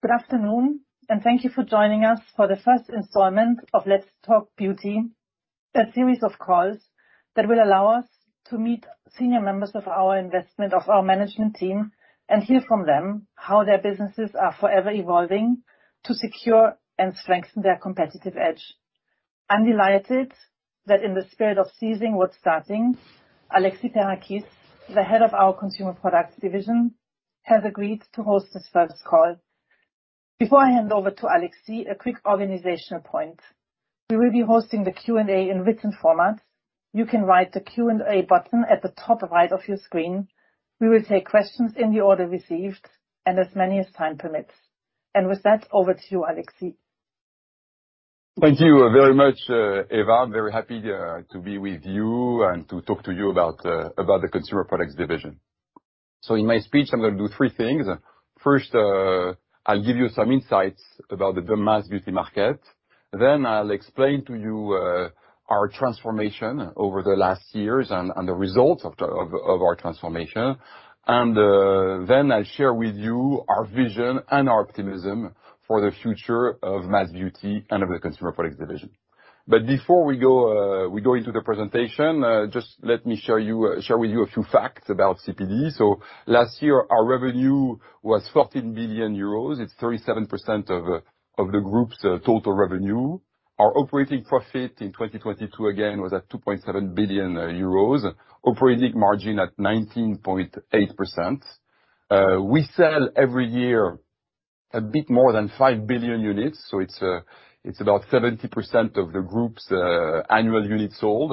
Good afternoon, and thank you for joining us for the first installment of Let's Talk Beauty, a series of calls that will allow us to meet senior members of our investment, of our management team, and hear from them how their businesses are forever evolving to secure and strengthen their competitive edge. I'm delighted that in the spirit of seizing what's starting, Alexis Perakis-Valat, the Head of our Consumer Products Division, has agreed to host this first call. Before I hand over to Alexis, a quick organizational point. We will be hosting the Q&A in written format. You can write the Q&A button at the top right of your screen. We will take questions in the order received, and as many as time permits. With that, over to you, Alexis. Thank you very much, Eva. I'm very happy to be with you and to talk to you about the consumer products division. In my speech, I'm gonna do three things. First, I'll give you some insights about the mass beauty market. Then I'll explain to you our transformation over the last years and the results of our transformation. Then I'll share with you our vision and our optimism for the future of mass beauty and of the consumer products division. Before we go into the presentation, just let me share with you a few facts about CPD. Last year, our revenue was 14 billion euros. It's 37% of the group's total revenue. Our operating profit in 2022, again, was at 2.7 billion euros, operating margin at 19.8%. We sell every year a bit more than 5 billion units, so it's about 70% of the group's annual units sold.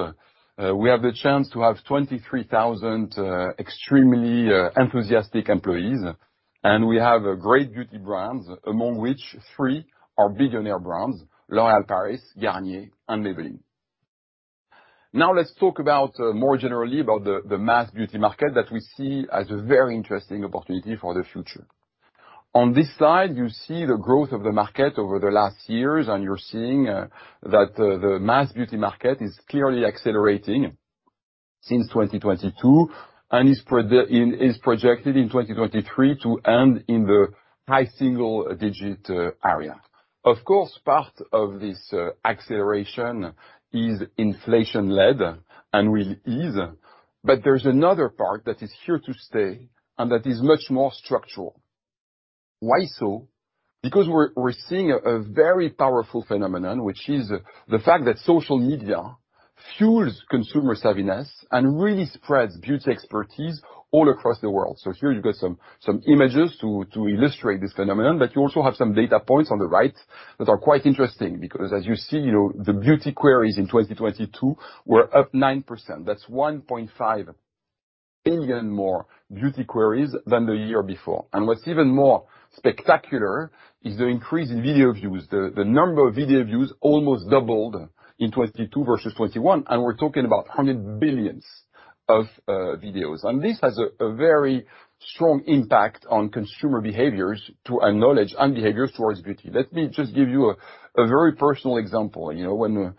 We have the chance to have 23,000 extremely enthusiastic employees, and we have great beauty brands, among which three are billionaire brands: L'Oréal Paris, Garnier, and Maybelline. Now, let's talk more generally about the mass beauty market that we see as a very interesting opportunity for the future. On this slide, you see the growth of the market over the last years, and you're seeing that the mass beauty market is clearly accelerating since 2022, and is projected in 2023 to end in the high single digit area. Of course, part of this acceleration is inflation-led, and will ease, but there's another part that is here to stay, and that is much more structural. Why so? Because we're, we're seeing a very powerful phenomenon, which is the fact that social media fuels consumer savviness and really spreads beauty expertise all across the world. Here you've got some images to illustrate this phenomenon, but you also have some data points on the right that are quite interesting, because as you see, you know, the beauty queries in 2022 were up 9%. That's 1.5 billion more beauty queries than the year before. What's even more spectacular is the increase in video views. The number of video views almost doubled in 2022 versus 2021, and we're talking about 100 billion videos. This has a very strong impact on consumer behaviors too, and knowledge and behaviors towards beauty. Let me just give you a very personal example. You know, when,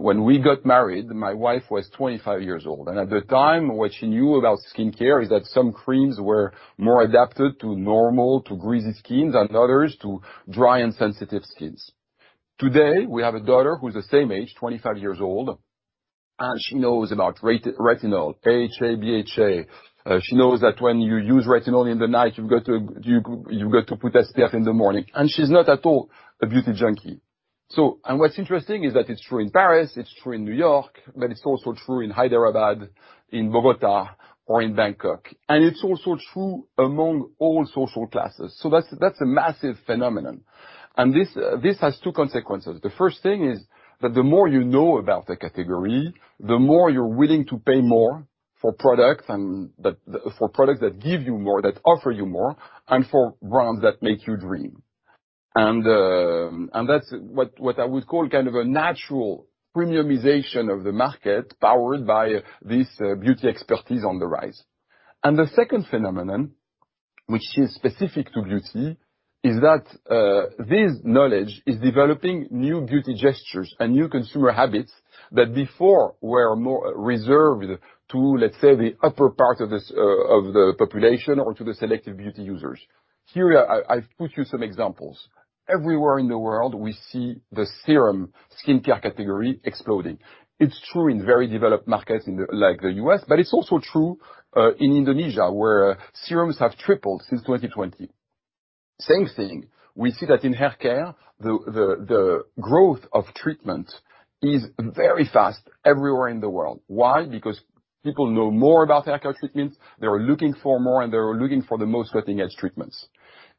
when we got married, my wife was 25 years old, and at the time, what she knew about skincare is that some creams were more adapted to normal, to greasy skins, and others to dry and sensitive skins. Today, we have a daughter who's the same age, 25 years old, and she knows about retinol, AHA, BHA. She knows that when you use retinol in the night, you've got to put SPF in the morning, and she's not at all a beauty junkie. And what's interesting is that it's true in Paris, it's true in New York, but it's also true in Hyderabad, in Bogotá, or in Bangkok, and it's also true among all social classes. So that's a massive phenomenon, and this has two consequences. The first thing is that the more you know about the category, the more you're willing to pay more for products, for products that give you more, that offer you more, and for brands that make you dream. And that's what I would call kind of a natural premiumization of the market, powered by this beauty expertise on the rise. The second phenomenon, which is specific to beauty, is that this knowledge is developing new beauty gestures and new consumer habits that before were more reserved to, let's say, the upper part of the population or to the selective beauty users. Here, I've put you some examples. Everywhere in the world we see the serum skincare category exploding. It's true in very developed markets, like the US, but it's also true in Indonesia, where serums have tripled since 2020. Same thing, we see that in haircare, the growth of treatment is very fast everywhere in the world. Why? Because people know more about haircare treatments, they're looking for more, and they're looking for the most cutting-edge treatments.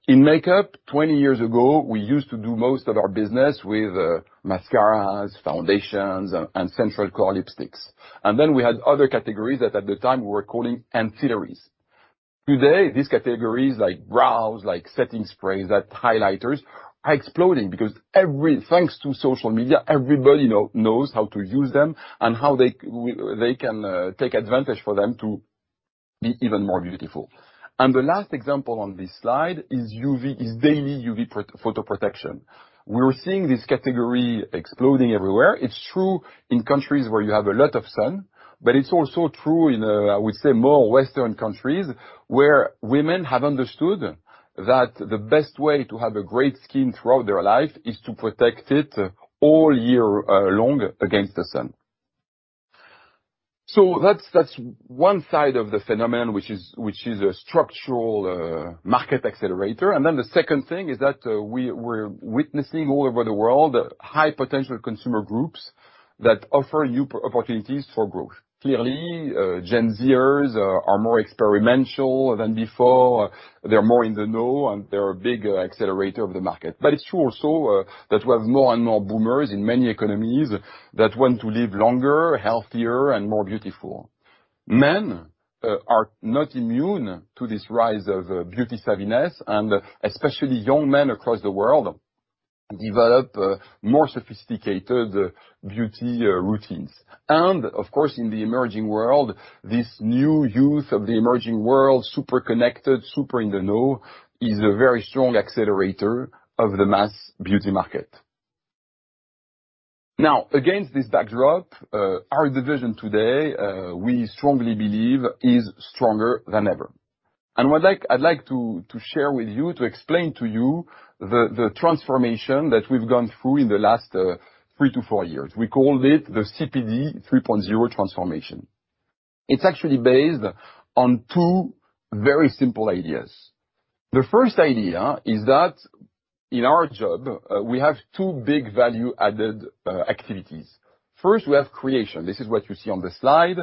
In makeup, 20 years ago, we used to do most of our business with mascaras, foundations, and central core lipsticks. Then we had other categories that at the time we were calling ancillaries. Today, these categories, like brows, like setting sprays, like highlighters, are exploding because every... Thanks to social media, everybody knows how to use them and how they can take advantage for them to be even more beautiful. The last example on this slide is UV, is daily UV photoprotection. We're seeing this category exploding everywhere. It's true in countries where you have a lot of sun, but it's also true in, I would say, more Western countries, where women have understood that the best way to have a great skin throughout their life is to protect it all year long against the sun. So that's one side of the phenomenon, which is a structural market accelerator. And then the second thing is that we're witnessing all over the world high potential consumer groups that offer new opportunities for growth. Clearly, Gen Zers are more experimental than before, they're more in the know, and they're a big accelerator of the market. But it's true also that we have more and more boomers in many economies that want to live longer, healthier, and more beautiful. Men are not immune to this rise of beauty savviness, and especially young men across the world develop more sophisticated beauty routines. And of course, in the emerging world, this new youth of the emerging world, super connected, super in the know, is a very strong accelerator of the mass beauty market. Now, against this backdrop, our division today, we strongly believe is stronger than ever. I'd like to share with you, to explain to you, the transformation that we've gone through in the last three-four years. We called it the CPD 3.0 transformation. It's actually based on two very simple ideas. The first idea is that in our job, we have two big value-added activities. First, we have creation. This is what you see on the slide.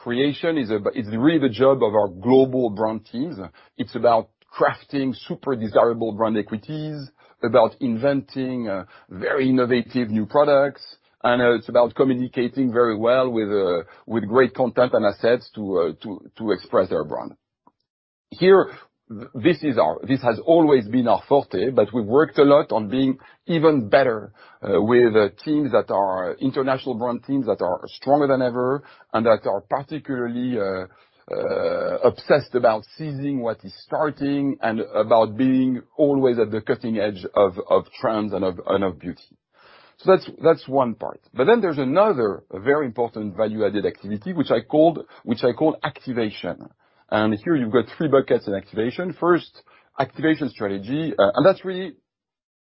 Creation is really the job of our global brand teams. It's about crafting super desirable brand equities, about inventing very innovative new products, and it's about communicating very well with great content and assets to express our brand. Here, this is our...this has always been our forte, but we've worked a lot on being even better, with teams that are international brand teams that are stronger than ever, and that are particularly obsessed about seizing what is starting, and about being always at the cutting edge of trends and of beauty. That's one part. Then there's another very important value-added activity, which I call activation. Here you've got three buckets in activation. First, activation strategy, and that's really...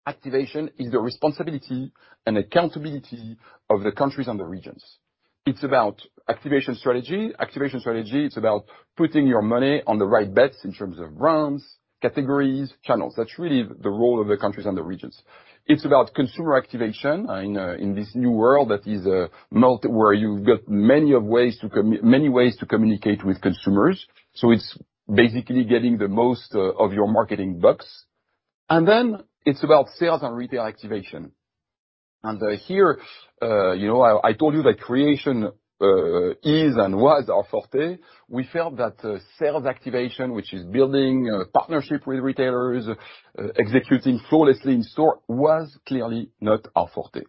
Activation is the responsibility and accountability of the countries and the regions. It's about activation strategy. Activation strategy, it's about putting your money on the right bets in terms of brands, categories, channels. That's really the role of the countries and the regions. It's about consumer activation in in this new world that is where you've got many ways to communicate with consumers, so it's basically getting the most of your marketing bucks. And then it's about sales and retail activation. And here, you know, I told you that creation is and was our forte. We felt that sales activation, which is building partnership with retailers, executing flawlessly in store, was clearly not our forte,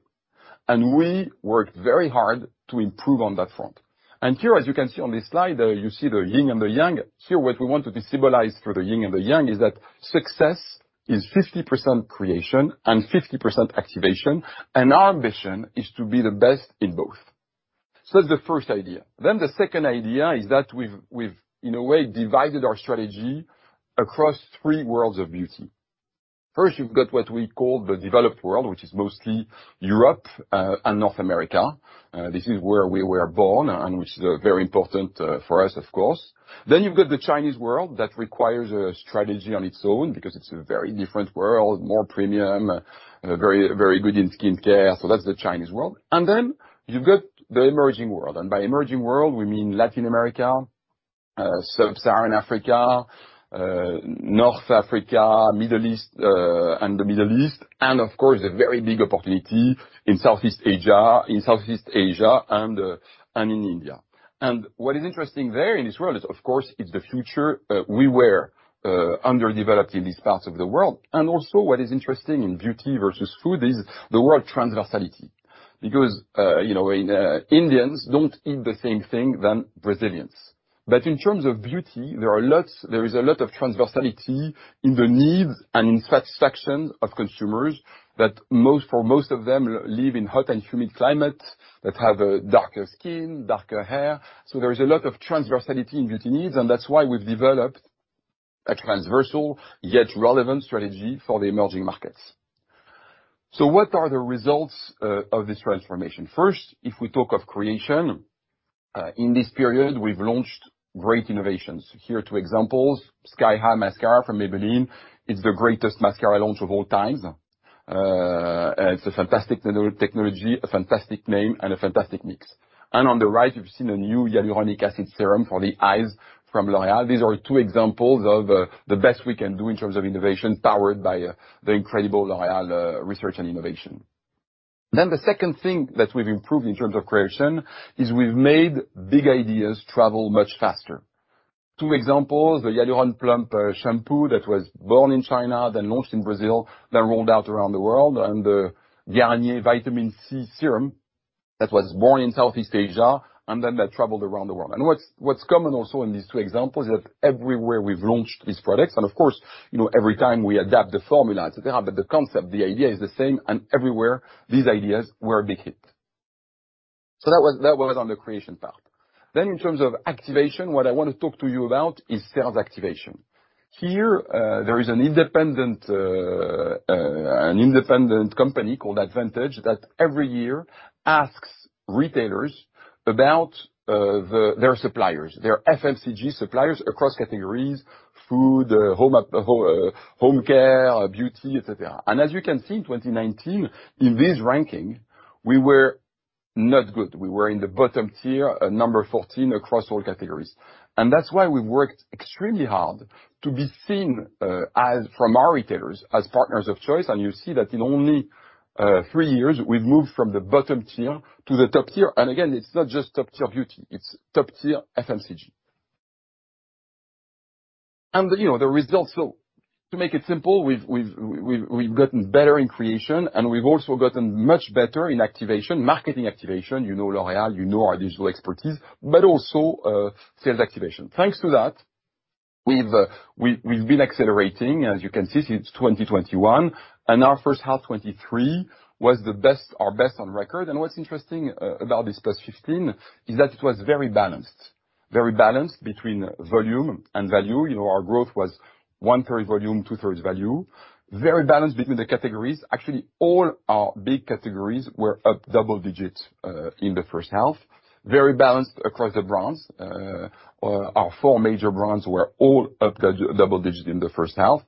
and we worked very hard to improve on that front. And here, as you can see on this slide, you see the yin and the yang. Here, what we want to symbolize through the yin and the yang is that success is 50% creation and 50% activation, and our ambition is to be the best in both. That's the first idea. The second idea is that we've, in a way, divided our strategy across three worlds of beauty. First, you've got what we call the developed world, which is mostly Europe and North America. This is where we were born and which is very important for us, of course. Then you've got the Chinese world, that requires a strategy on its own because it's a very different world, more premium, very, very good in skincare. That's the Chinese world. Then you've got the emerging world, and by emerging world, we mean Latin America, Sub-Saharan Africa, North Africa, the Middle East, and of course, a very big opportunity in Southeast Asia and in India. What is interesting there in this world is, of course, it's the future. We were underdeveloped in these parts of the world. Also what is interesting in beauty versus food is the word transversality, because, you know, Indians don't eat the same thing than Brazilians. But in terms of beauty, there are lots, there is a lot of transversality in the needs and in satisfaction of consumers, that most, for most of them, live in hot and humid climates, that have darker skin, darker hair. So there is a lot of transversality in beauty needs, and that's why we've developed a transversal yet relevant strategy for the emerging markets. So what are the results of this transformation? First, if we talk of creation, in this period, we've launched great innovations. Here are two examples. Sky High mascara from Maybelline is the greatest mascara launch of all times. It's a fantastic technology, a fantastic name, and a fantastic mix. On the right, you've seen a new hyaluronic acid serum for the eyes from L'Oréal. These are two examples of the best we can do in terms of innovation, powered by the incredible L'Oréal research and innovation. The second thing that we've improved in terms of creation is we've made big ideas travel much faster. Two examples, the Hyaluron Plump shampoo that was born in China, then launched in Brazil, then rolled out around the world, and the Garnier Vitamin C serum that was born in Southeast Asia, and then that traveled around the world. What's common also in these two examples is that everywhere we've launched these products, and of course, you know, every time we adapt the formula, et cetera, but the concept, the idea is the same, and everywhere these ideas were a big hit. That was on the creation part. In terms of activation, what I want to talk to you about is sales activation. Here, there is an independent company called Advantage Group International that every year asks retailers about their suppliers, their FMCG suppliers across categories, food, home, home care, beauty, etc.. As you can see, in 2019, in this ranking, we were not good. We were in the bottom tier, number 14 across all categories. That's why we've worked extremely hard to be seen, as from our retailers, as partners of choice, and you see that in only three years, we've moved from the bottom tier to the top tier. Again, it's not just top tier beauty, it's top tier FMCG. You know, the results, so to make it simple, we've, we've, we've gotten better in creation, and we've also gotten much better in activation, marketing activation, you know L'Oréal, you know our digital expertise, but also, sales activation. Thanks to that, we've, we've been accelerating, as you can see, since 2021, and our first half, 2023, was the best, our best on record. What's interesting about this plus 15, is that it was very balanced. Very balanced between volume and value. You know, our growth was one-third volume, two-thirds value. Very balanced between the categories. Actually, all our big categories were up double digits in the first half. Very balanced across the brands. Our four major brands were all up double digits in the first half,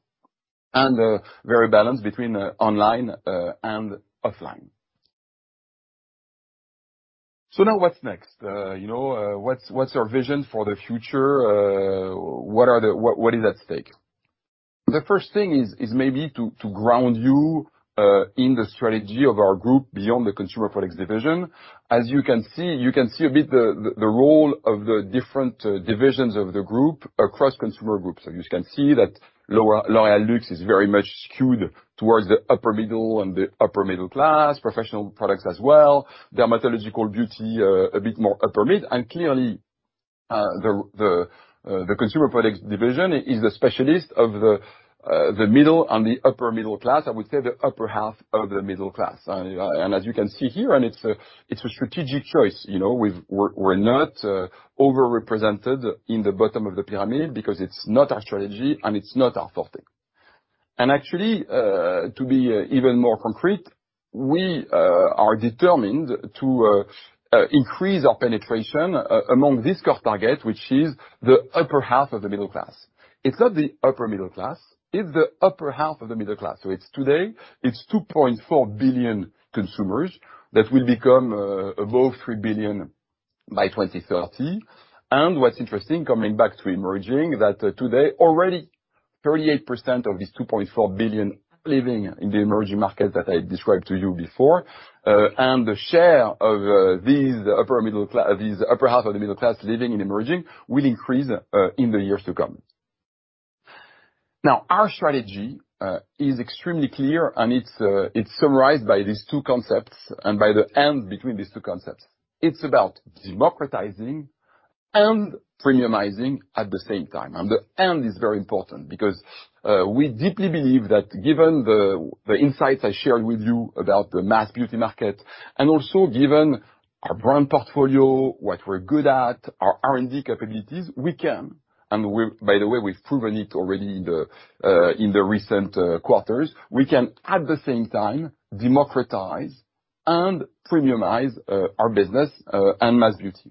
and very balanced between online and offline. So now what's next? You know, what's our vision for the future? What are the...what is at stake? The first thing is maybe to ground you in the strategy of our group beyond the consumer products division. As you can see, you can see a bit the role of the different divisions of the group across consumer groups. So you can see that L'Oréal Luxe is very much skewed towards the upper middle and the upper middle class, Professional Products as well. Dermatological Beauty, a bit more upper mid. And clearly, the Consumer Products Division is the specialist of the middle and the upper middle class, I would say the upper half of the middle class. And as you can see here, it's a strategic choice, you know, we're not over-represented in the bottom of the pyramid, because it's not our strategy and it's not our forte. And actually, to be even more concrete, we are determined to increase our penetration among this cost target, which is the upper half of the middle class. It's not the upper middle class, it's the upper half of the middle class. So it's, today, it's 2.4 billion consumers, that will become above 3 billion by 2030. What's interesting, coming back to emerging, that today already 38% of these 2.4 billion living in the emerging markets that I described to you before, and the share of these upper half of the middle class living in emerging will increase in the years to come. Now, our strategy is extremely clear, and it's summarized by these two concepts, and by the and between these two concepts. It's about democratizing and premiumizing at the same time, and the and is very important because, we deeply believe that given the insights I shared with you about the mass beauty market, and also given our brand portfolio, what we're good at, our R&D capabilities, we can, and we've, by the way, we've proven it already in the recent quarters, we can, at the same time, democratize and premiumize our business and mass beauty.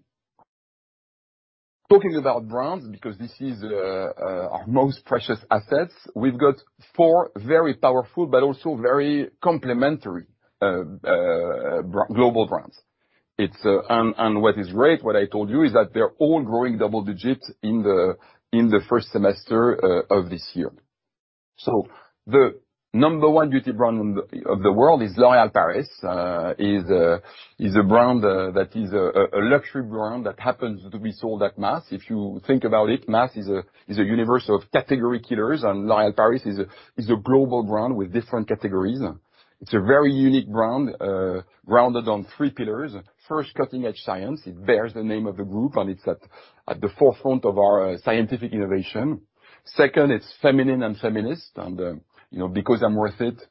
Talking about brands, because this is our most precious assets, we've got four very powerful, but also very complementary, global brands. It's... And what is great, what I told you, is that they're all growing double digits in the first semester of this year. The number one beauty brand of the world is L'Oréal Paris. Is a brand that is a luxury brand that happens to be sold at mass. If you think about it, mass is a universe of category killers, and L'Oréal Paris is a global brand with different categories. It's a very unique brand grounded on three pillars. First, cutting-edge science. It bears the name of the group, and it's at the forefront of our scientific innovation. Second, it's feminine and feminist, and you know, because I'm worth it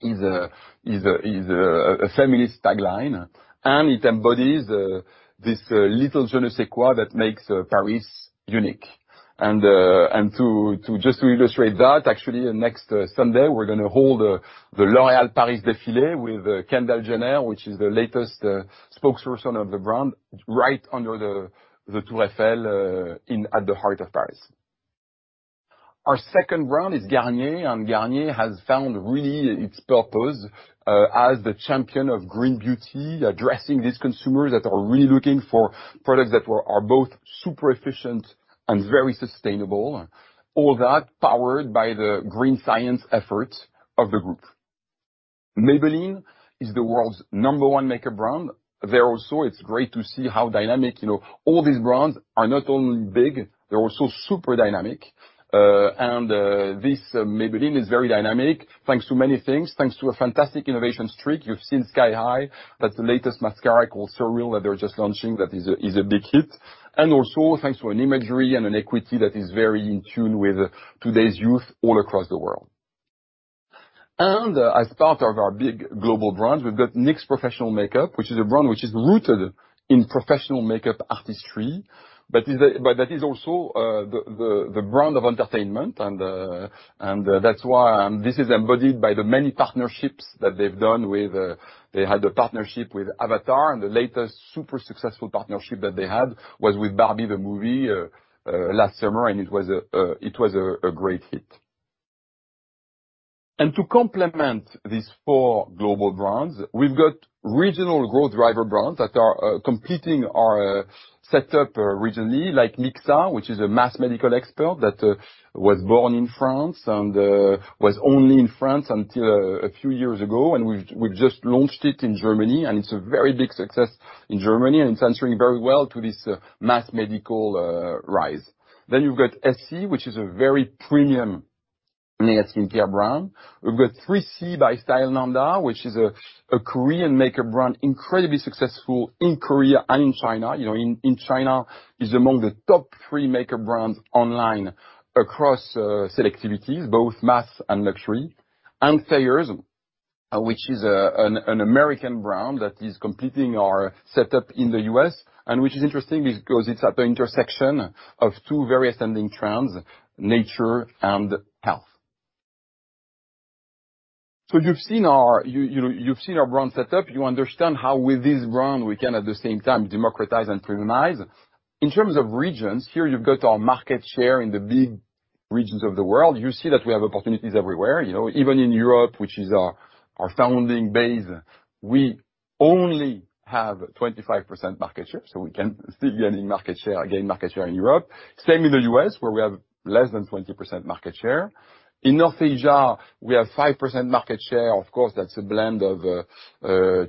is a feminist tagline, and it embodies this little je ne sais quoi that makes Paris unique. And to just illustrate that, actually, next Sunday, we're gonna hold the L'Oréal Paris Défilé with Kendall Jenner, which is the latest spokesperson of the brand, right under the Tour Eiffel, in at the heart of Paris. Our second brand is Garnier, and Garnier has found really its purpose as the champion of green beauty, addressing these consumers that are really looking for products that are both super efficient and very sustainable. All that powered by the green science efforts of the group. Maybelline is the world's number one makeup brand. There also, it's great to see how dynamic...you know, all these brands are not only big, they're also super dynamic. And this Maybelline is very dynamic, thanks to many things. Thanks to a fantastic innovation streak. You've seen Sky High, that's the latest mascara called Surreal, that they're just launching, that is a big hit, and also thanks to an imagery and an equity that is very in tune with today's youth all across the world. As part of our big global brands, we've got NYX Professional Makeup, which is a brand which is rooted in professional makeup artistry, but that is also the brand of entertainment, and that's why this is embodied by the many partnerships that they've done with. They had a partnership with Avatar, and the latest super successful partnership that they had was with Barbie: The Movie last summer, and it was a great hit. To complement these four global brands, we've got regional growth driver brands that are completing our setup regionally, like Mixa, which is a mass medical expert that was born in France and was only in France until a few years ago, and we've just launched it in Germany, and it's a very big success in Germany, and it's answering very well to this mass medical rise. You've got Essie, which is a very premium nail skin care brand. We've got 3CE by Stylenanda, which is a Korean makeup brand, incredibly successful in Korea and in China. You know, in China, it's among the top three makeup brands online across selectivities, both mass and luxury. Thayers, which is an American brand that is completing our setup in the U.S., and which is interesting because it's at the intersection of two very ascending trends, nature and health. So you've seen our brand setup. You understand how, with this brand, we can at the same time democratize and premiumize. In terms of regions, here you've got our market share in the big regions of the world. You see that we have opportunities everywhere. You know, even in Europe, which is our founding base, we only have 25% market share, so we can still gain market share, gain market share in Europe. Same in the U.S., where we have less than 20% market share. In North Asia, we have 5% market share. Of course, that's a blend of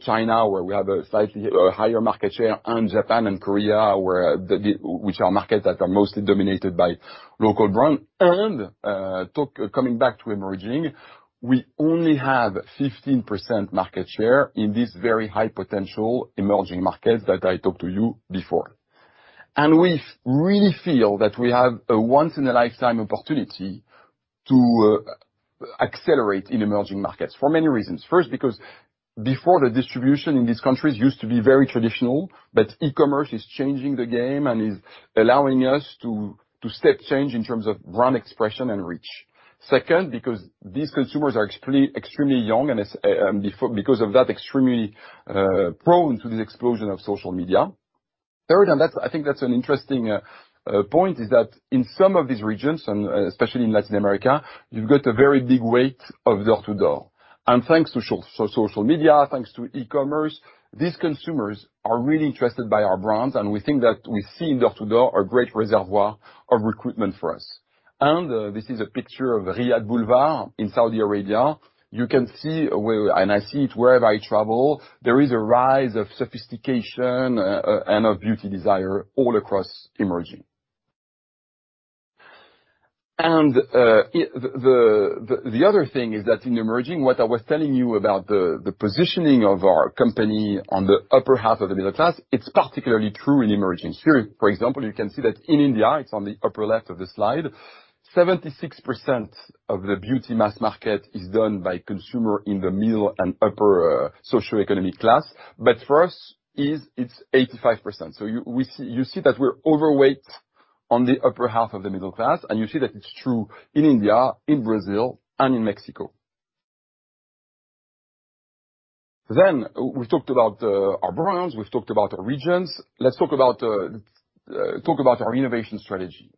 China, where we have a slightly higher market share, and Japan and Korea, which are markets that are mostly dominated by local brand. Coming back to emerging, we only have 15% market share in this very high potential emerging markets that I talked to you before. And we really feel that we have a once in a lifetime opportunity to accelerate in emerging markets for many reasons. First, because before, the distribution in these countries used to be very traditional, but e-commerce is changing the game and is allowing us to step change in terms of brand expression and reach. Second, because these consumers are extremely young, and because of that, extremely prone to the explosion of social media. Third, and that's, I think that's an interesting point, is that in some of these regions, and especially in Latin America, you've got a very big weight of door-to-door. And thanks to social media, thanks to e-commerce, these consumers are really interested by our brands, and we think that we see in door-to-door a great reservoir of recruitment for us. And this is a picture of Riyadh Boulevard in Saudi Arabia. You can see where, and I see it wherever I travel, there is a rise of sophistication and of beauty desire all across emerging. And the other thing is that in emerging, what I was telling you about the positioning of our company on the upper half of the middle class, it's particularly true in emerging. Here, for example, you can see that in India, it's on the upper left of the slide, 76% of the beauty mass market is done by consumer in the middle and upper socioeconomic class. But for us, it's 85%. So you see that we're overweight on the upper half of the middle class, and you see that it's true in India, in Brazil, and in Mexico. Then we've talked about our brands. We've talked about our regions. Let's talk about our innovation strategy.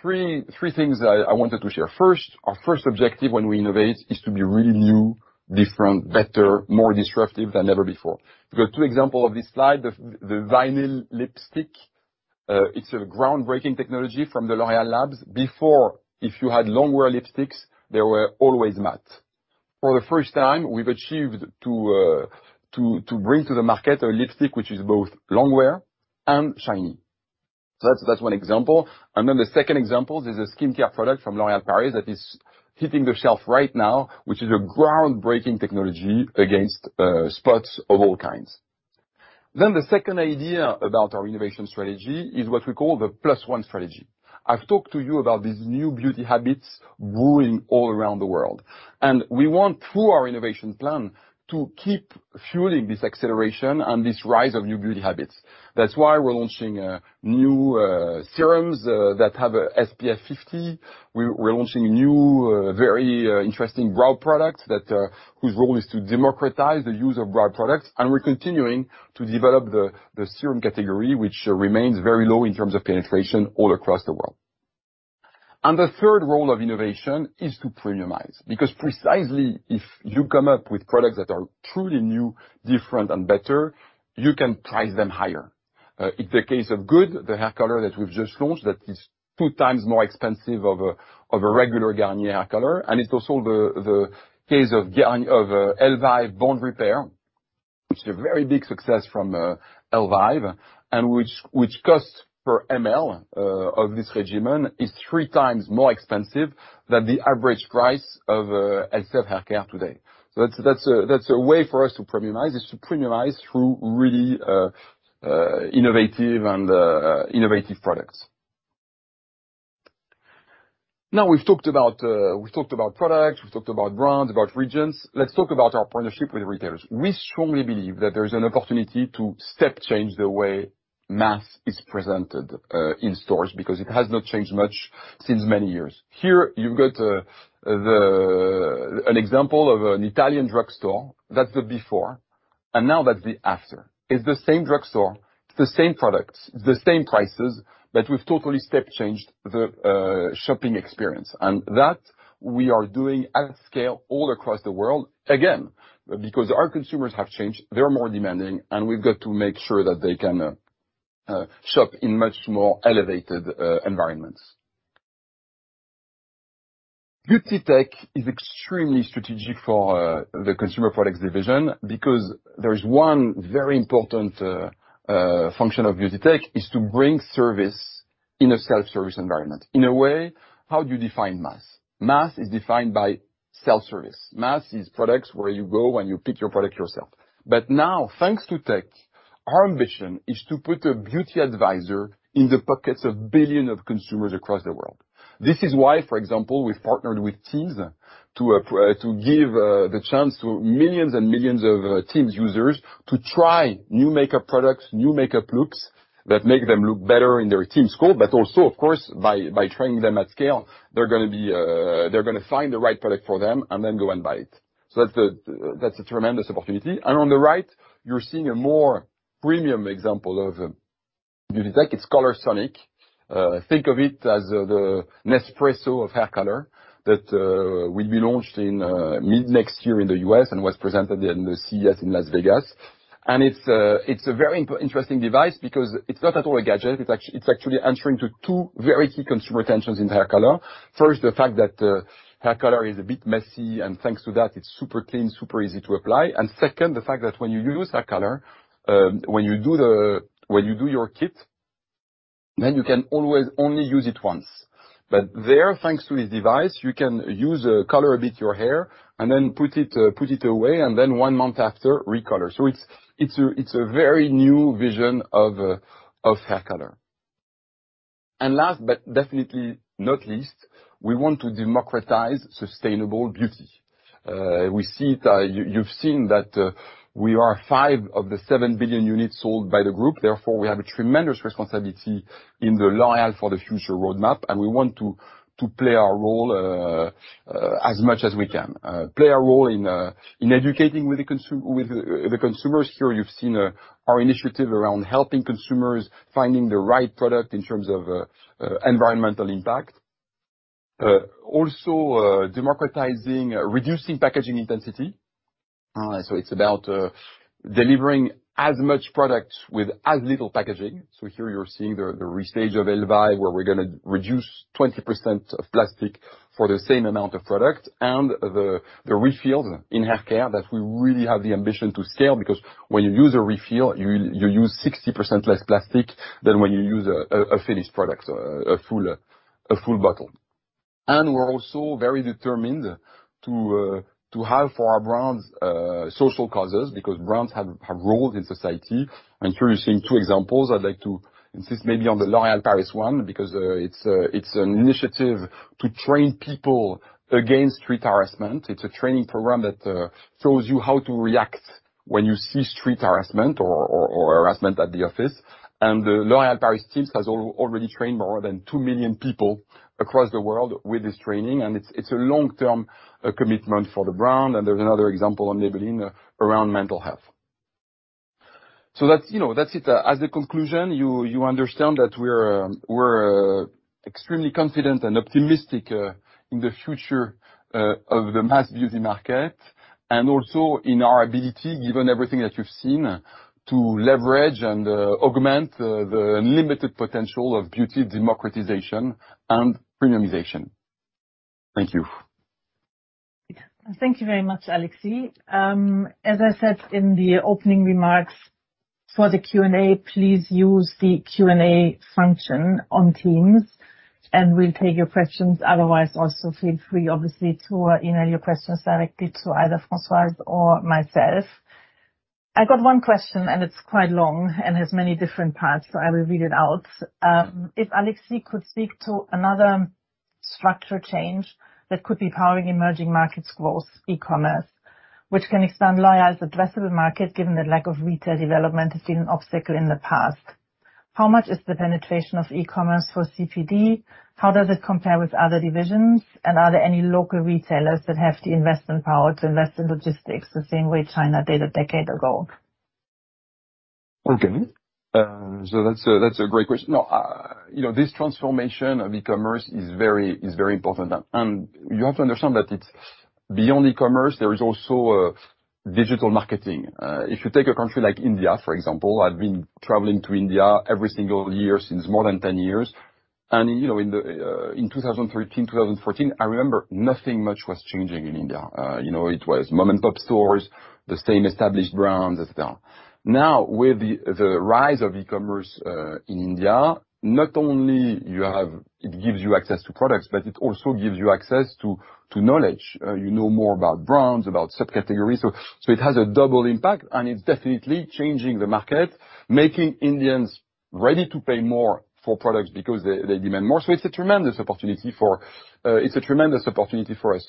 Three things I wanted to share. First, our first objective when we innovate is to be really new, different, better, more disruptive than ever before. The two examples of this slide, the vinyl lipstick, it's a groundbreaking technology from the L'Oréal labs. Before, if you had long-wear lipsticks, they were always matte. For the first time, we've achieved to bring to the market a lipstick which is both long wear and shiny. That's one example. The second example is a skin care product from L'Oréal Paris that is hitting the shelf right now, which is a groundbreaking technology against spots of all kinds. The second idea about our innovation strategy is what we call the plus one strategy. I've talked to you about these new beauty habits brewing all around the world, and we want, through our innovation plan, to keep fueling this acceleration and this rise of new beauty habits. That's why we're launching new serums that have a SPF 50. We're launching new, very interesting brow products that, whose role is to democratize the use of brow products, and we're continuing to develop the serum category, which remains very low in terms of penetration all across the world. The third role of innovation is to premiumize, because precisely, if you come up with products that are truly new, different, and better, you can price them higher. In the case of Good, the hair color that we've just launched, that is 2x more expensive of a regular Garnier hair color, and it's also the case of Elvive Bond Repair, which is a very big success from Elvive, and which, which costs per ml of this regimen, is 3x more expensive than the average price of Elseve hair care today. That's a way for us to premiumize, is to premiumize through really, innovative and, innovative products. Now we've talked about, we've talked about products, we've talked about brands, about regions. Let's talk about our partnership with retailers. We strongly believe that there's an opportunity to step change the way mass is presented, in stores, because it has not changed much since many years. Here, you've got an example of an Italian drugstore. That's the before, and now that's the after. It's the same drugstore, it's the same products, it's the same prices, but we've totally step changed the shopping experience. We are doing that at scale all across the world, again, because our consumers have changed, they're more demanding, and we've got to make sure that they can shop in much more elevated environments. Beauty tech is extremely strategic for the Consumer Products Division because there is one very important function of beauty tech, which is to bring service in a self-service environment. In a way, how do you define mass? Mass is defined by self-service. Mass is products where you go, and you pick your product yourself. But now, thanks to tech, our ambition is to put a beauty advisor in the pockets of billions of consumers across the world. This is why, for example, we've partnered with Teams to give the chance to millions and millions of Teams users to try new makeup products, new makeup looks, that make them look better in their Teams call, but also, of course, by trying them at scale, they're gonna be, they're gonna find the right product for them and then go and buy it. That's a tremendous opportunity. On the right, you're seeing a more premium example of beauty tech. It's Colorsonic. Think of it as the Nespresso of hair color, that will be launched in mid-next year in the U.S., and was presented in the CES in Las Vegas. It's a very interesting device because it's not at all a gadget, it's actually answering to two very key consumer tensions in hair color. First, the fact that hair color is a bit messy, and thanks to that, it's super clean, super easy to apply. Second, the fact that when you use hair color, when you do your kit, then you can always only use it once. There, thanks to this device, you can use a color a bit your hair, and then put it away, and then one month after, recolor. It's a very new vision of hair color. Last, but definitely not least, we want to democratize sustainable beauty. We see it... You’ve seen that we are 5 of the 7 billion units sold by the group, therefore, we have a tremendous responsibility in the L'Oréal for the Future roadmap, and we want to play our role as much as we can. Play our role in educating with the consumers. Here, you’ve seen our initiative around helping consumers finding the right product in terms of environmental impact. Also, democratizing, reducing packaging intensity. It’s about delivering as much product with as little packaging. So here you're seeing the restage of Elvive, where we're gonna reduce 20% of plastic for the same amount of product, and the refills in haircare, that we really have the ambition to sell, because when you use a refill, you use 60% less plastic than when you use a finished product, so a full bottle. And we're also very determined to have for our brands social causes, because brands have roles in society. And here you're seeing two examples. I'd like to insist maybe on the L'Oréal Paris one, because it's an initiative to train people against street harassment. It's a training program that shows you how to react when you see street harassment or harassment at the office. The L'Oréal Paris teams has already trained more than 2 million people across the world with this training, and it's, it's a long-term commitment for the brand. There's another example on Maybelline around mental health. That's, you know, that's it. As a conclusion, you understand that we're, we're extremely confident and optimistic in the future of the mass beauty market, and also in our ability, given everything that you've seen, to leverage and augment the unlimited potential of beauty democratization and premiumization. Thank you. Thank you very much, Alexis. As I said in the opening remarks, for the Q&A, please use the Q&A function on Teams, and we'll take your questions. Otherwise, also feel free, obviously, to email your questions directly to either Françoise or myself. I got one question, and it's quite long and has many different parts, so I will read it out. If Alexis could speak to another structure change that could be powering emerging markets growth, e-commerce, which can expand L'Oréal's addressable market, given the lack of retail development has been an obstacle in the past. How much is the penetration of e-commerce for CPD? How does it compare with other divisions? And are there any local retailers that have the investment power to invest in logistics, the same way China did a decade ago? Okay. So that's a great question. No, you know, this transformation of e-commerce is very important, and you have to understand that it's beyond e-commerce, there is also digital marketing. If you take a country like India, for example, I've been traveling to India every single year since more than 10 years, and, you know, in the, in 2013, 2014, I remember nothing much was changing in India. You know, it was mom-and-pop stores, the same established brands, etc.. Now, with the rise of e-commerce in India, not only you have...it gives you access to products, but it also gives you access to knowledge. You know more about brands, about subcategories, so, so it has a double impact, and it's definitely changing the market, making Indians ready to pay more for products because they, they demand more, so it's a tremendous opportunity for, it's a tremendous opportunity for us.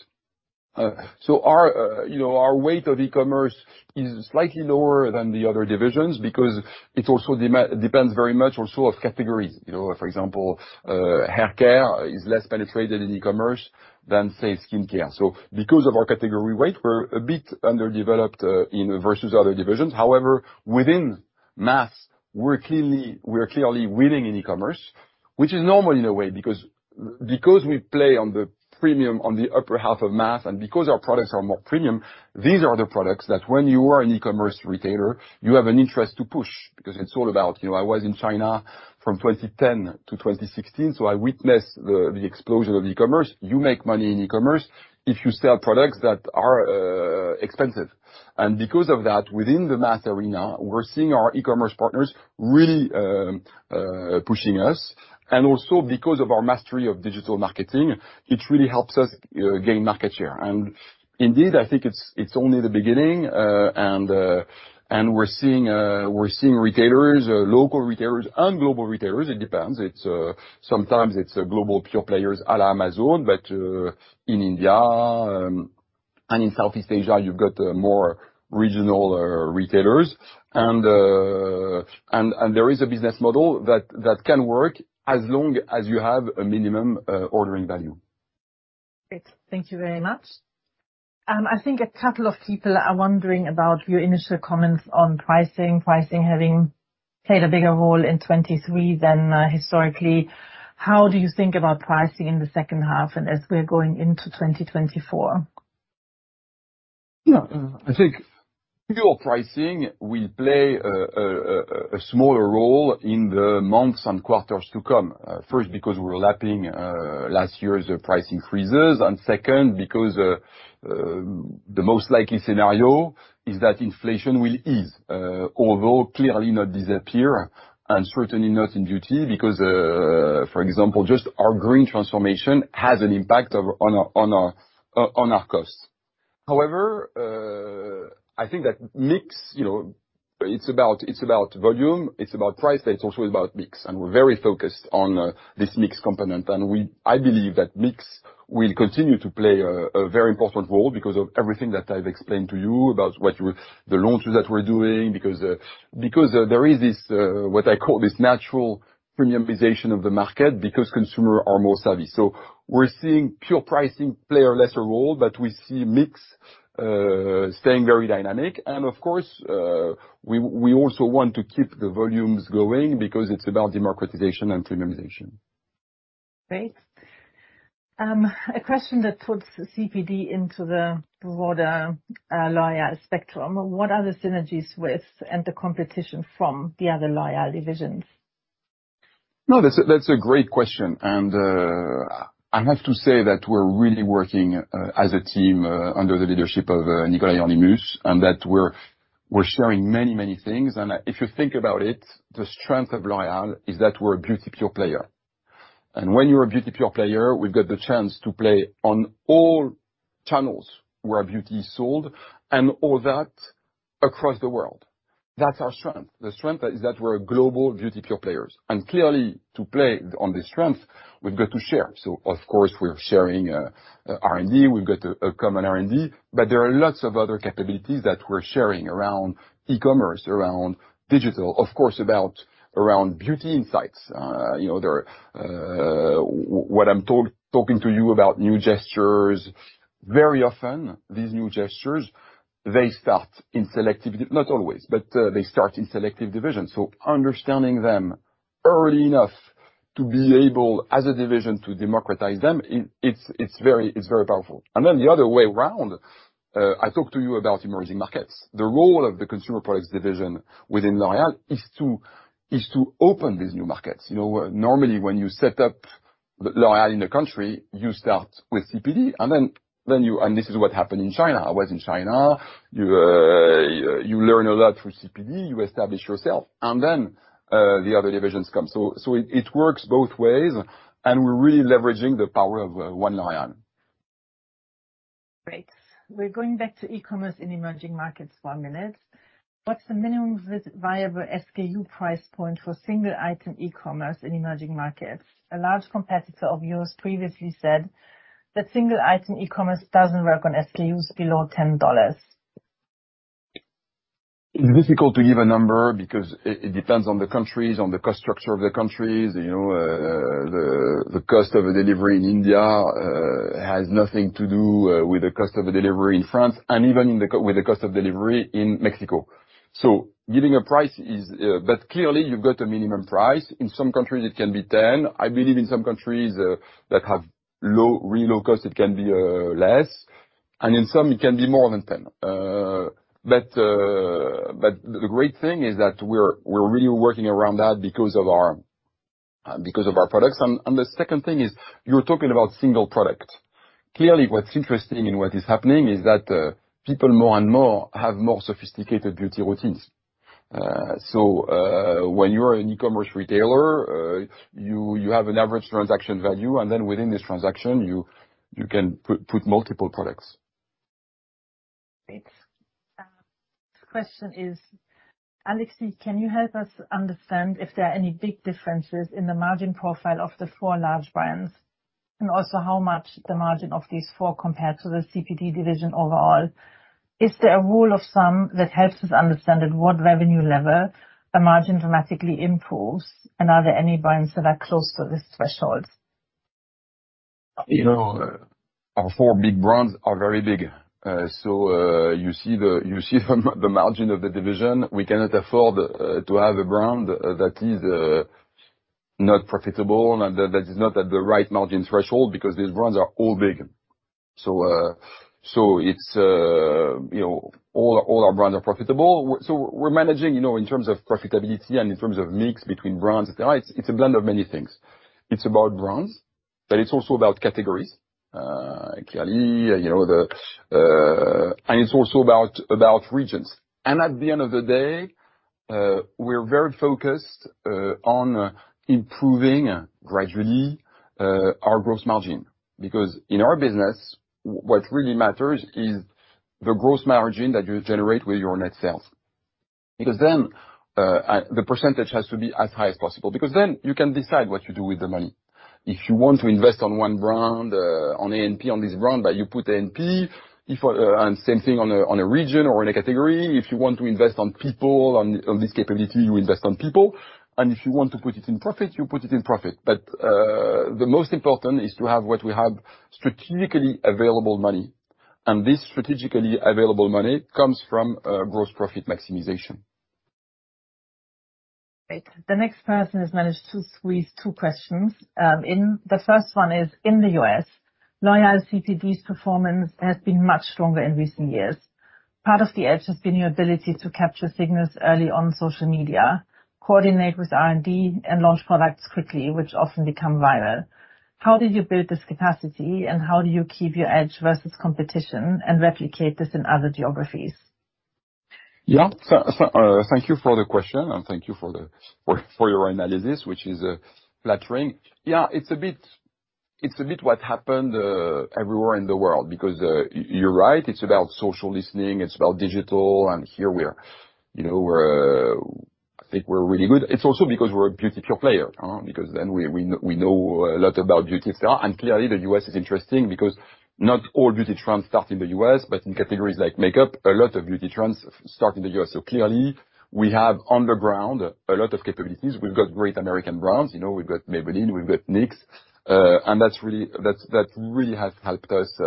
So our, you know, our weight of e-commerce is slightly lower than the other divisions because it also depends very much also on categories. You know, for example, hair care is less penetrated in e-commerce than, say, skin care. So because of our category weight, we're a bit underdeveloped, in versus other divisions. However, within mass, we're clearly, we're clearly winning in e-commerce, which is normal in a way, because, because we play on the premium, on the upper half of mass, and because our products are more premium, these are the products that when you are an e-commerce retailer, you have an interest to push. Because it's all about... You know, I was in China from 2010 to 2016, so I witnessed the explosion of e-commerce. You make money in e-commerce if you sell products that are expensive, and because of that, within the mass arena, we're seeing our e-commerce partners really pushing us. And also, because of our mastery of digital marketing, it really helps us gain market share. And indeed, I think it's, it's only the beginning. We're seeing retailers, local retailers and global retailers; it depends. It's sometimes global pure players, à la Amazon, but in India and in Southeast Asia, you've got more regional retailers. There is a business model that can work as long as you have a minimum ordering value. Great. Thank you very much. I think a couple of people are wondering about your initial comments on pricing, pricing having played a bigger role in 2023 than historically. How do you think about pricing in the second half and as we're going into 2024? Yeah. I think pure pricing will play a smaller role in the months and quarters to come. First, because we're lapping last year's price increases, and second, because the most likely scenario is that inflation will ease, although clearly not disappear, and certainly not in beauty, because, for example, just our green transformation has an impact on our costs. However, I think that mix, you know, it's about volume, it's about price, but it's also about mix, and we're very focused on this mix component. And I believe that mix will continue to play a very important role because of everything that I've explained to you about the launches that we're doing. Because there is this what I call this natural premiumization of the market, because consumer are more savvy. So we're seeing pure pricing play a lesser role, but we see mix staying very dynamic. And of course, we also want to keep the volumes going because it's about democratization and premiumization. Great. A question that puts CPD into the broader, L'Oréal spectrum: What are the synergies with and the competition from the other L'Oréal divisions? No, that's a great question, and I have to say that we're really working as a team under the leadership of Nicolas Hieronimus, and that we're sharing many, many things. And if you think about it, the strength of L'Oréal is that we're a beauty pure player, and when you're a beauty pure player, we've got the chance to play on all channels where beauty is sold and all that across the world. That's our strength. The strength is that we're a global beauty pure players, and clearly, to play on this strength, we've got to share. So of course, we're sharing R&D. We've got a common R&D, but there are lots of other capabilities that we're sharing around e-commerce, around digital, of course, around beauty insights. You know, there are... What I'm talking to you about new gestures, very often these new gestures, they start in selective, not always, but they start in selective divisions. So understanding them early enough to be able, as a division, to democratize them, it's very powerful. And then the other way around, I talked to you about emerging markets. The role of the Consumer Products Division within L'Oréal is to open these new markets. You know, normally, when you set up L'Oréal in a country, you start with CPD, and then you... And this is what happened in China. I was in China. You learn a lot through CPD, you establish yourself, and then the other divisions come. So it works both ways, and we're really leveraging the power of one L'Oréal. Great. We're going back to e-commerce in emerging markets for a minute. What's the minimum viable SKU price point for single-item e-commerce in emerging markets? A large competitor of yours previously said that single-item e-commerce doesn't work on SKUs below $10. It's difficult to give a number because it depends on the countries, on the cost structure of the countries. You know, the cost of a delivery in India has nothing to do with the cost of a delivery in France, and even with the cost of delivery in Mexico. So giving a price is... But clearly, you've got a minimum price. In some countries, it can be $10. I believe in some countries that have low, really low cost, it can be less, and in some it can be more than $10. But the great thing is that we're really working around that because of our products. And the second thing is, you're talking about single product. Clearly, what's interesting in what is happening is that people more and more have more sophisticated beauty routines. So, when you're an e-commerce retailer, you have an average transaction value, and then within this transaction, you can put multiple products.... Great. The question is, Alexis, can you help us understand if there are any big differences in the margin profile of the four large brands, and also how much the margin of these four compare to the CPD division overall? Is there a rule of thumb that helps us understand at what revenue level a margin dramatically improves, and are there any brands that are close to this threshold? You know, our four big brands are very big. You see the margin of the division. We cannot afford to have a brand that is not profitable and that is not at the right margin threshold, because these brands are all big. All our brands are profitable. We're managing, you know, in terms of profitability and in terms of mix between brands, etc., it's a blend of many things. It's about brands, but it's also about categories. Clearly, you know, the... It's also about regions. At the end of the day, we're very focused on improving gradually our gross margin. Because in our business, what really matters is the gross margin that you generate with your net sales. Because then, the percentage has to be as high as possible, because then you can decide what you do with the money. If you want to invest on one brand, on A&P, on this brand, you put A&P. If, and same thing on a region or in a category, if you want to invest on people, on this capability, you invest on people, and if you want to put it in profit, you put it in profit. The most important is to have what we have, strategically available money, and this strategically available money comes from gross profit maximization. Great. The next person has managed to squeeze two questions. The first one is, in the U.S., L'Oréal CPD's performance has been much stronger in recent years. Part of the edge has been your ability to capture signals early on social media, coordinate with R&D, and launch products quickly, which often become viral. How did you build this capacity, and how do you keep your edge versus competition and replicate this in other geographies? Yeah. So thank you for the question, and thank you for your analysis, which is flattering. Yeah, it's a bit what happened everywhere in the world, because you're right, it's about social listening, it's about digital, and here we're, you know, I think we're really good. It's also because we're a beauty pure player, because then we know a lot about beauty itself. And clearly, the U.S. is interesting because not all beauty trends start in the U.S., but in categories like makeup, a lot of beauty trends start in the U.S.. So clearly, we have on the ground a lot of capabilities. We've got great American brands, you know, we've got Maybelline, we've got NYX, and that really has helped us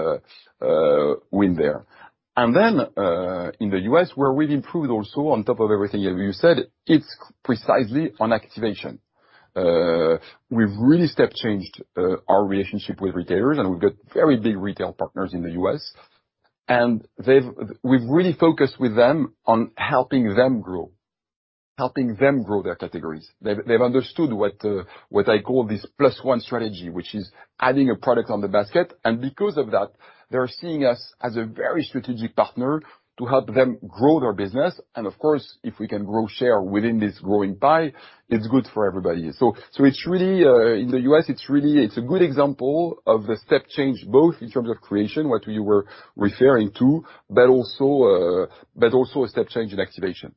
win there. In the U.S., where we've improved also, on top of everything, as you said, it's precisely on activation. We've really step changed our relationship with retailers, and we've got very big retail partners in the U.S., and they've... We've really focused with them on helping them grow, helping them grow their categories. They've understood what I call this plus one strategy, which is adding a product on the basket, and because of that, they're seeing us as a very strategic partner to help them grow their business. Of course, if we can grow share within this growing pie, it's good for everybody. It's really, in the U.S., it's really, it's a good example of the step change, both in terms of creation, what you were referring to, but also a step change in activation.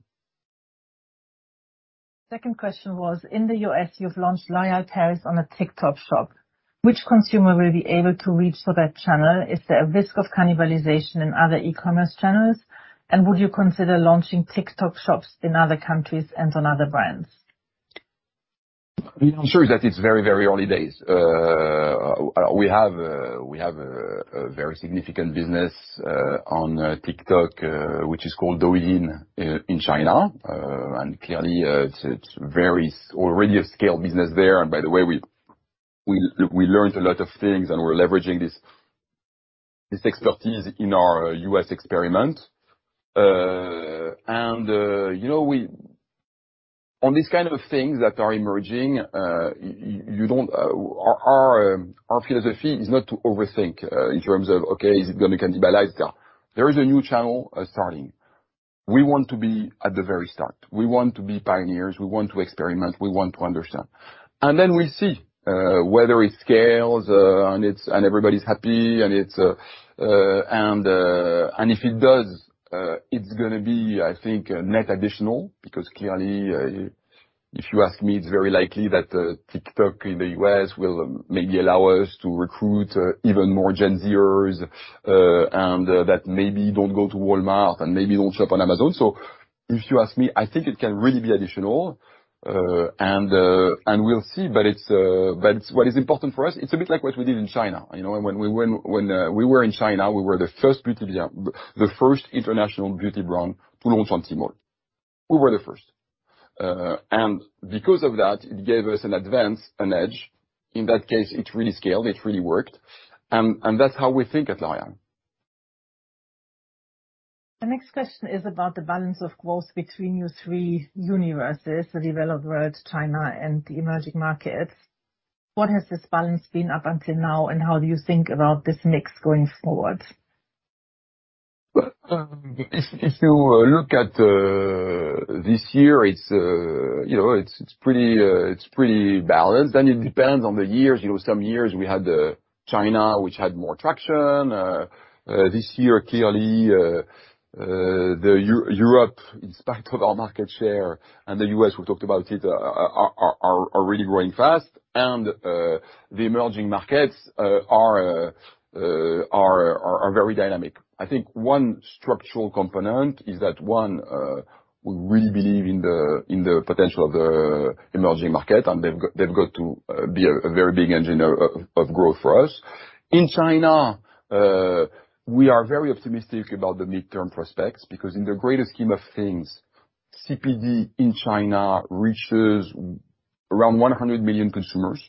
Second question was, in the U.S., you've launched L'Oréal Paris on a TikTok Shop. Which consumer will you be able to reach for that channel? Is there a risk of cannibalization in other e-commerce channels? And would you consider launching TikTok Shops in other countries and on other brands? I'm sure that it's very, very early days. We have a very significant business on TikTok, which is called Douyin in China. Clearly, it's already a scaled business there. By the way, we learned a lot of things, and we're leveraging this expertise in our U.S. experiment. You know, on these kind of things that are emerging, you don't—our philosophy is not to overthink in terms of, okay, is it gonna cannibalize that? There is a new channel starting. We want to be at the very start. We want to be pioneers, we want to experiment, we want to understand. Then we see whether it scales, and everybody's happy, and if it does, it's gonna be, I think, a net additional, because clearly, if you ask me, it's very likely that TikTok in the U.S. will maybe allow us to recruit even more Gen Zers, and that maybe don't go to Walmart, and maybe don't shop on Amazon. So if you ask me, I think it can really be additional, and we'll see. But what is important for us, it's a bit like what we did in China, you know. When we were in China, we were the first beauty brand, the first international beauty brand to launch on Tmall. We were the first. And because of that, it gave us an advantage, an edge. In that case, it really scaled, it really worked. And that's how we think at L'Oréal. The next question is about the balance of growth between your three universes, the developed world, China, and the emerging markets. What has this balance been up until now, and how do you think about this mix going forward?... If you look at this year, it's you know, it's pretty balanced. And it depends on the years. You know, some years we had China, which had more traction. This year, clearly, Europe, in spite of our market share, and the U.S., we talked about it, are really growing fast. And the emerging markets are very dynamic. I think one structural component is that we really believe in the potential of the emerging market, and they've got to be a very big engine of growth for us. In China, we are very optimistic about the midterm prospects, because in the greater scheme of things, CPD in China reaches around 100 million consumers,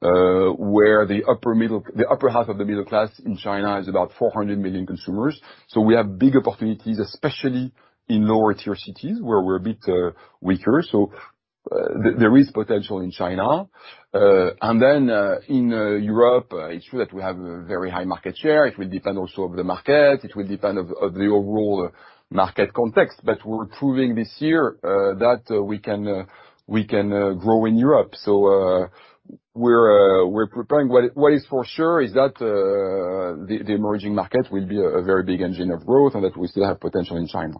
where the upper half of the middle class in China is about 400 million consumers. We have big opportunities, especially in lower-tier cities, where we're a bit weaker. There is potential in China. In Europe, it's true that we have a very high market share. It will depend also on the market, it will depend on the overall market context, but we're proving this year that we can grow in Europe. We're preparing...what is for sure is that the emerging market will be a very big engine of growth, and that we still have potential in China.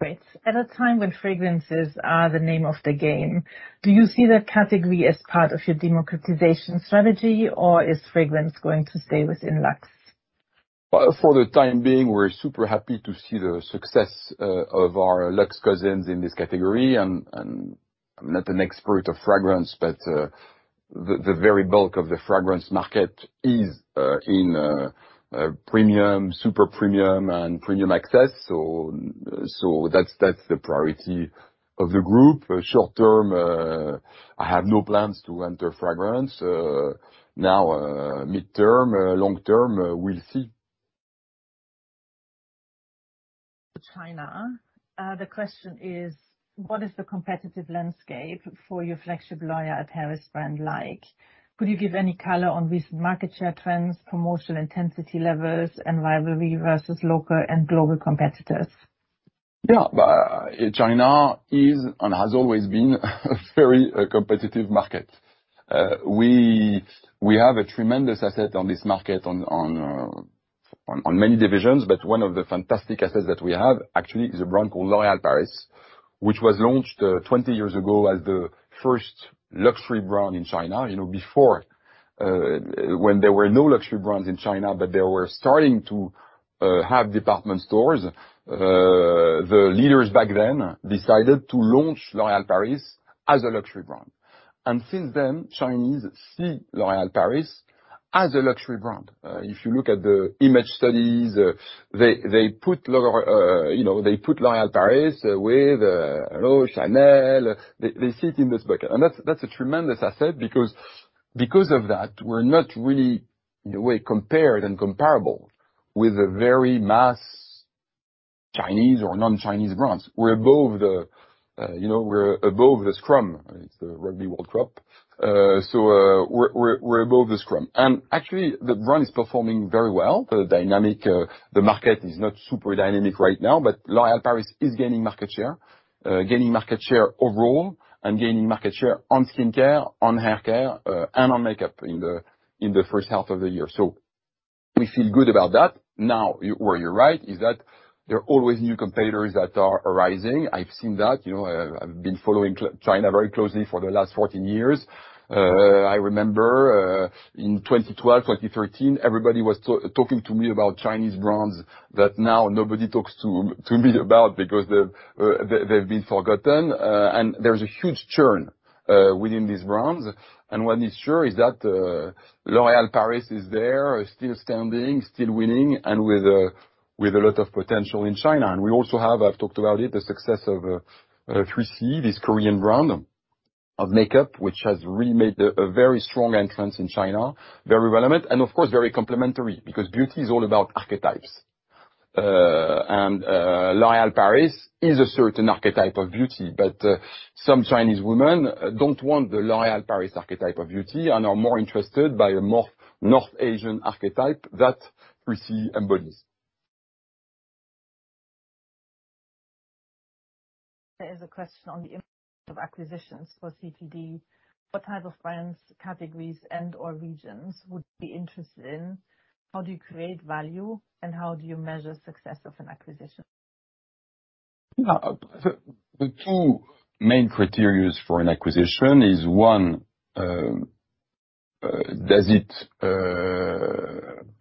Great. At a time when fragrances are the name of the game, do you see that category as part of your democratization strategy, or is fragrance going to stay within luxe? For the time being, we're super happy to see the success of our luxe cousins in this category. And I'm not an expert of fragrance, but the very bulk of the fragrance market is in premium, super premium, and premium axcess, so that's the priority of the group. Short term, I have no plans to enter fragrance. Now, midterm, long term, we'll see. China. The question is, what is the competitive landscape for your flagship L'Oréal Paris brand like? Could you give any color on recent market share trends, promotional intensity levels, and rivalry versus local and global competitors? Yeah. China is, and has always been, a very competitive market. We have a tremendous asset on this market on many divisions, but one of the fantastic assets that we have actually is a brand called L'Oréal Paris, which was launched 20 years ago as the first luxury brand in China. You know, before, when there were no luxury brands in China, but they were starting to have department stores, the leaders back then decided to launch L'Oréal Paris as a luxury brand. And since then, Chinese see L'Oréal Paris as a luxury brand. If you look at the image studies, they put L'Oréal Paris with, you know, Chanel. They see it in this bucket. That's a tremendous asset, because of that, we're not really, in a way, compared and comparable with the very mass Chinese or non-Chinese brands. We're above the, you know, we're above the scrum. It's the Rugby World Cup. We're above the scrum. Actually, the brand is performing very well. The dynamic, the market is not super dynamic right now, but L'Oréal Paris is gaining market share, gaining market share overall and gaining market share on skincare, on haircare, and on makeup in the first half of the year. We feel good about that. Now, where you're right is that there are always new competitors that are arising. I've seen that. You know, I've been following China very closely for the last 14 years. I remember in 2012, 2013, everybody was talking to me about Chinese brands that now nobody talks to me about because they've been forgotten. And there's a huge churn within these brands. And what is sure is that L'Oréal Paris is there, still standing, still winning, and with a lot of potential in China. And we also have, I've talked about it, the success of 3CE, this Korean brand of makeup, which has really made a very strong entrance in China. Very relevant, and of course, very complementary, because beauty is all about archetypes. And L'Oréal Paris is a certain archetype of beauty, but some Chinese women don't want the L'Oréal Paris archetype of beauty and are more interested by a more North Asian archetype that 3CE embodies. There is a question on the of acquisitions for CPD. What type of brands, categories, and/or regions would you be interested in? How do you create value, and how do you measure success of an acquisition? Yeah. The two main criteria for an acquisition is, one, does it,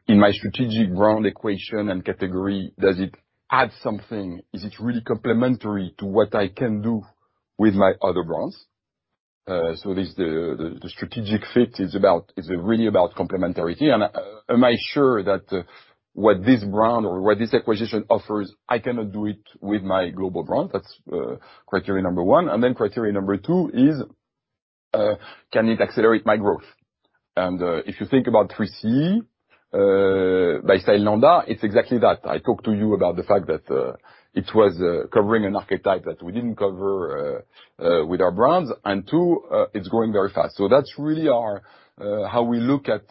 in my strategic brand equation and category, does it add something? Is it really complementary to what I can do with my other brands? This, the strategic fit is really about complementarity. Am I sure that what this brand or what this acquisition offers, I cannot do it with my global brand? That's criteria number one. Criteria number two is, can it accelerate my growth? If you think about 3CE by Stylenanda, it's exactly that. I talked to you about the fact that it was covering an archetype that we didn't cover with our brands, and two, it's growing very fast. That's really our, how we look at,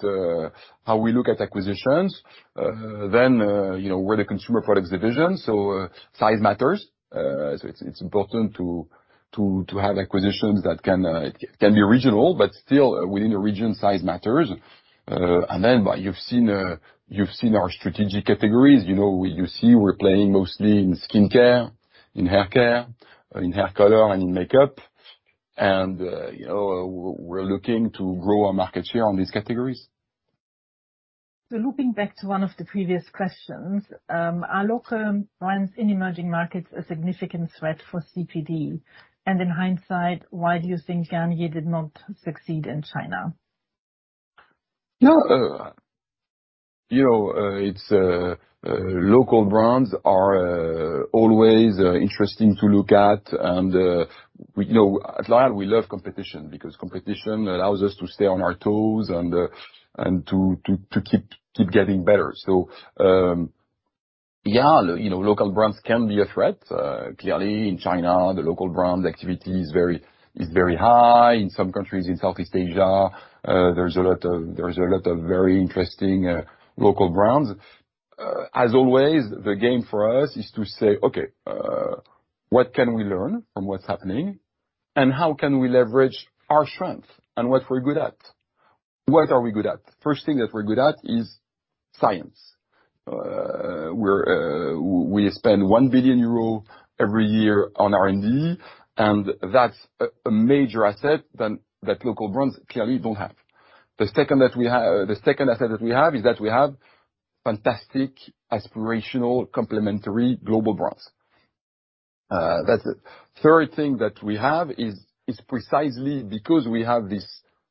how we look at acquisitions. You know, we're the Consumer Products Division, so size matters. It's important to have acquisitions that can be regional, but still within the region, size matters. You've seen our strategic categories. You see we're playing mostly in skincare, in haircare, in hair color, and in makeup. You know, we're looking to grow our market share on these categories. Looping back to one of the previous questions, are local brands in emerging markets a significant threat for CPD? And in hindsight, why do you think Garnier did not succeed in China? No, you know, it's local brands are always interesting to look at. And we, you know, at L'Oréal we love competition, because competition allows us to stay on our toes and to keep getting better. So, yeah, you know, local brands can be a threat. Clearly, in China, the local brand activity is very high. In some countries in Southeast Asia, there's a lot of very interesting local brands. As always, the game for us is to say, "Okay, what can we learn from what's happening, and how can we leverage our strength and what we're good at?" What are we good at? First thing that we're good at is science. We're, we spend 1 billion euro every year on R&D, and that's a major asset than that local brands clearly don't have. The second that we have, the second asset that we have, is that we have fantastic, aspirational, complementary global brands. That's it. Third thing that we have is precisely because we have this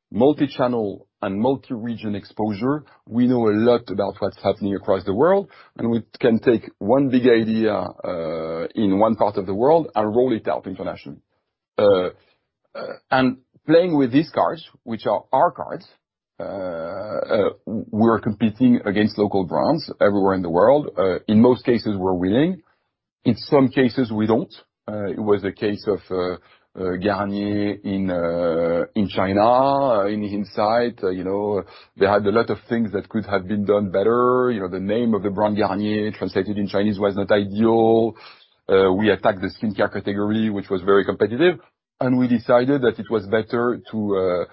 multi-channel and multi-region exposure, we know a lot about what's happening across the world, and we can take one big idea in one part of the world and roll it out internationally. And playing with these cards, which are our cards, we're competing against local brands everywhere in the world. In most cases, we're winning. In some cases, we don't. It was the case of Garnier in China. In hindsight, you know, they had a lot of things that could have been done better. You know, the name of the brand, Garnier, translated in Chinese was not ideal. We attacked the skincare category, which was very competitive, and we decided that it was better to,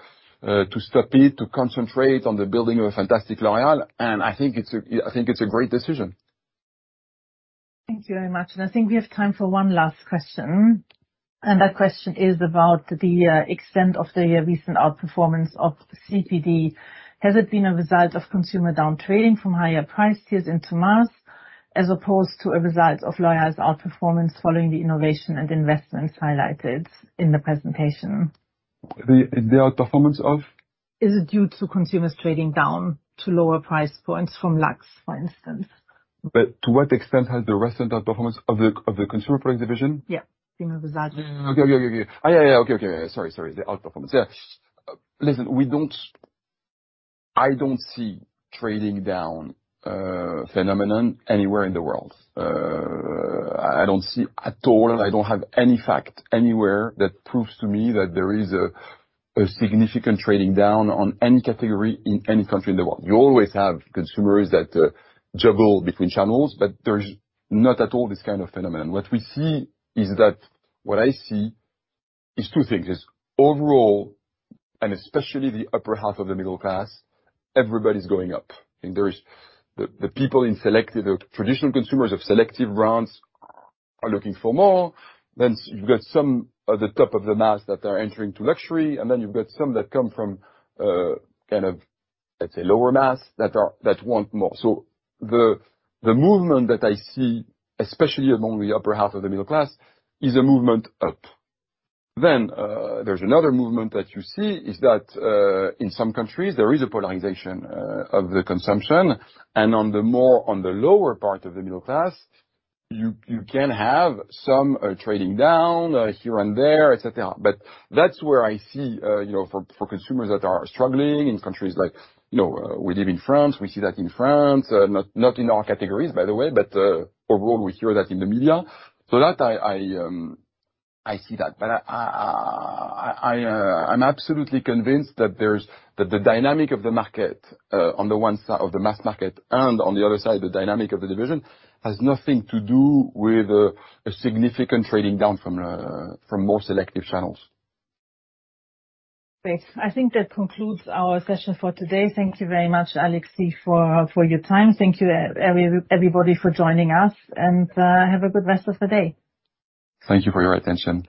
to stop it, to concentrate on the building of a fantastic L'Oréal, and I think it's a, I think it's a great decision. Thank you very much. And I think we have time for one last question, and that question is about the extent of the recent outperformance of CPD. Has it been a result of consumer downtrading from higher price tiers into mass, as opposed to a result of L'Oréal's outperformance following the innovation and investments highlighted in the presentation? The outperformance of? Is it due to consumers trading down to lower price points from luxe, for instance? To what extent has the recent outperformance of the Consumer Products Division? Yeah, been a result— Okay, okay, okay. Yeah, yeah. Okay, okay. Sorry, sorry, the outperformance. Yeah. Listen, we don't...I don't see trading down phenomenon anywhere in the world. I don't see at all, I don't have any fact anywhere that proves to me that there is a significant trading down on any category in any country in the world. You always have consumers that juggle between channels, but there's not at all this kind of phenomenon. What we see is that, what I see is two things: is overall, and especially the upper half of the middle class, everybody's going up. And there is...the people in selective, or traditional consumers of selective brands, are looking for more. You've got some at the top of the mass that are entering to luxury, and then you've got some that come from, kind of, let's say, lower mass, that want more. The movement that I see, especially among the upper half of the middle class, is a movement up. There's another movement that you see, is that in some countries, there is a polarization of the consumption, and on the lower part of the middle class, you can have some trading down here and there, et cetera. That's where I see, you know, for consumers that are struggling in countries like, you know, we live in France, we see that in France, not in our categories, by the way, but overall, we hear that in the media. I see that. I, I'm absolutely convinced that there's, that the dynamic of the market, on the one side, of the mass market, and on the other side, the dynamic of the division, has nothing to do with a significant trading down from, from more selective channels. Great. I think that concludes our session for today. Thank you very much, Alexis, for your time. Thank you, everybody for joining us, and have a good rest of the day. Thank you for your attention.